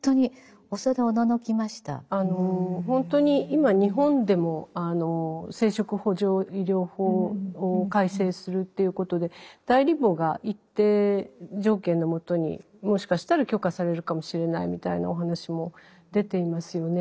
本当に今日本でも生殖補助医療法を改正するということで代理母が一定条件のもとにもしかしたら許可されるかもしれないみたいなお話も出ていますよね。